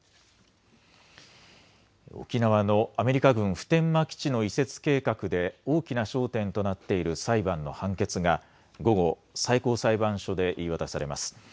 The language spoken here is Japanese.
沖縄のアメリカ軍普天間基地の移設計画で大きな焦点となっている裁判の判決が午後、最高裁判所で言い渡されます。